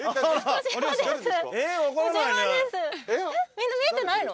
みんな見えてないの？